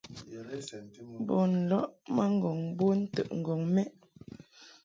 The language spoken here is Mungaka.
Bun lɔʼ ma ŋgɔŋ bon ntəʼŋgɔŋ mɛʼ.